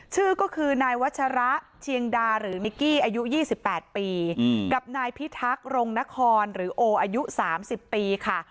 ชื่อก็คือนายวัชระเชียงดาหรือนิกกี้อายุ๒๘ปีกับนายพิทักษ์รงนครหรือโออายุ๓๐ปีค่ะ